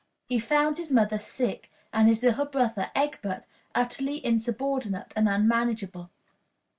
He found his mother sick, and his little brother, Egbert, utterly insubordinate and unmanageable.